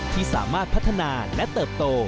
ที่สามารถพัฒนาและเติบโต